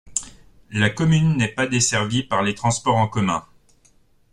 La commune n'est pas desservie par les transports en commun.